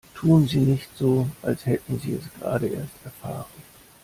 Tun Sie nicht so, als hätten Sie es gerade erst erfahren!